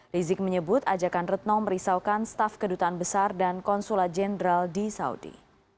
rizik menyebut ajakan retno merisaukan staf kedutaan besar dan konsulat jenderal di saudi